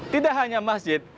tidak hanya masjid